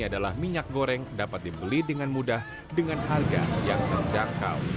adalah minyak goreng dapat dibeli dengan mudah dengan harga yang terjangkau